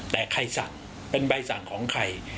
แต่ใครสั่งเป็นใบสั่งของใคร